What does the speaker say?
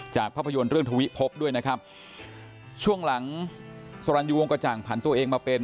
ภาพยนตร์เรื่องทวิภพด้วยนะครับช่วงหลังสรรยูวงกระจ่างผันตัวเองมาเป็น